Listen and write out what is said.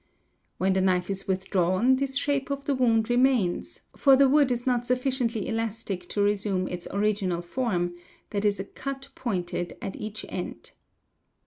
When the knife is withdrawn, this shape of the wound remains, for the wood is not sufficiently elastic to resume its original form, that is a cut pointed at each end.